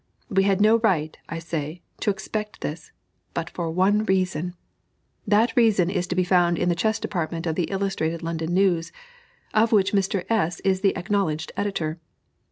We had no right, I say, to expect this, but for one reason. That reason is to be found in the chess department of the Illustrated London News, of which Mr. S. is the acknowledged editor.